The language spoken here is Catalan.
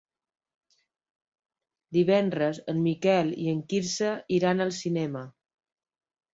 Divendres en Miquel i en Quirze iran al cinema.